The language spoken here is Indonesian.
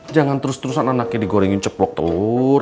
jangan terus terusan anaknya digorengin ceplok telur